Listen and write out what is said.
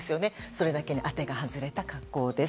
それだけに当てが外れた格好です。